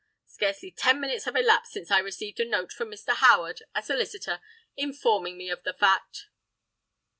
Scarcely ten minutes have elapsed since I received a note from Mr. Howard, a solicitor, informing me of the fact."